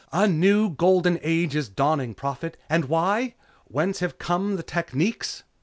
A new Golden Age is dawning, Prophet! And why? Whence have come the techniques?"